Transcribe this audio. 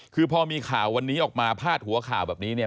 คือพอมีข่าววันนี้ออกมาพาดหัวข่าวแบบนี้เนี่ย